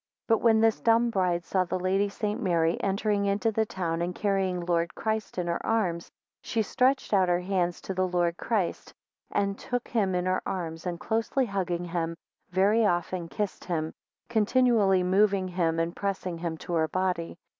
6 But when this dumb bride saw the Lady St. Mary entering into the town, and carrying Lord Christ in her arms, she stretched out her hands to the Lord Christ, and took him in her arms, and closely hugging him, very often kissed him, continually moving him and, pressing him to her body.